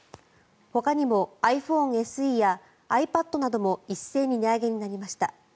ほかにもｉＰｈｏｎｅＳＥやｉＰａｄなども一斉に値上げになりました。